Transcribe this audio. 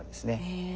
へえ。